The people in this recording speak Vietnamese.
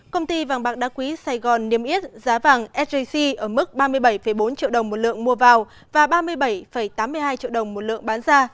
công ty vàng bạc đá quý sài gòn niêm yết giá vàng sjc ở mức ba mươi bảy bốn triệu đồng một lượng mua vào và ba mươi bảy tám mươi hai triệu đồng một lượng bán ra